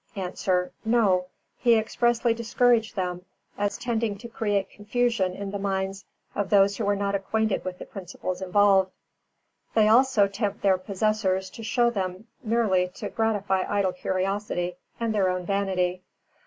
_ A. No; he expressly discouraged them as tending to create confusion in the minds of those who were not acquainted with the principles involved. They also tempt their possessors to show them merely to gratify idle curiosity and their own vanity.